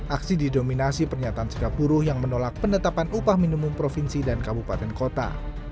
aksi didominasi pernyatan segap buruh yang menolak pendetapan upah minumum provinsi dan kabupaten kota